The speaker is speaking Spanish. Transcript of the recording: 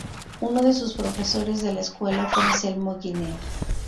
Uno de sus profesores de la Escuela fue Anselmo Guinea.